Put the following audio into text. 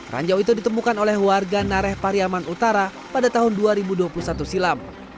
ranjau itu ditemukan oleh warga nareh pariaman utara pada tahun dua ribu dua puluh satu silam